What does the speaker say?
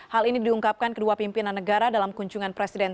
hal ini diungkapkan kedua pimpinan negara dalam kunjungan presiden